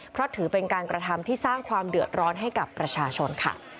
เพราะถือเป็นการกระทำที่สร้างความเดือดร้อนให้กับประชาชนค่ะ